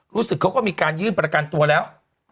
รู้สึกเขาก็มีการยื่นประกันตัวแล้ว